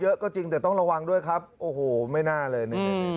เยอะก็จริงแต่ต้องระวังด้วยครับโอ้โหไม่น่าเลยนี่